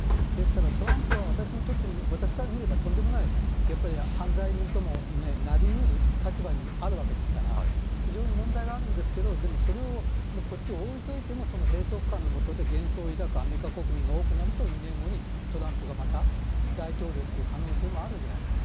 トランプは私から見ればとんでもない、犯罪人ともなり得る立場にあるわけですから非常に問題がありますがそれを置いておいても閉塞感の下で幻想を抱くアメリカ国民が多くなると２年後にまたトランプが大統領という可能性もあるんじゃないかと。